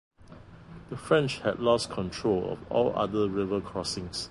The French had lost control of all other river crossings.